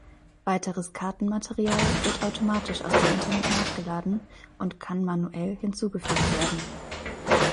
Weiteres Kartenmaterial wird automatisch aus dem Internet nachgeladen und kann manuell hinzugefügt werden.